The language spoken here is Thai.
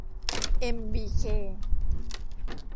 เอ็ม บี เค